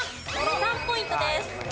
３ポイントです。